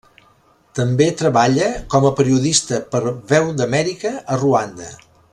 També treballa com a periodista per Veu d'Amèrica a Ruanda.